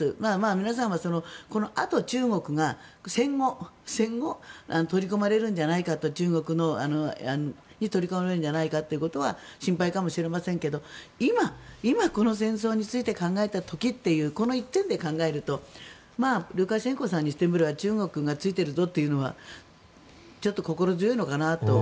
皆さんもこのあと中国が戦後、取り込まれるんじゃないかと中国に取り込まれるんじゃないかってことが心配かもしれませんが今、この戦争について考えた時というこの１点で考えるとルカシェンコさんにしてみれば中国がついているぞというのはちょっと心強いのかなと。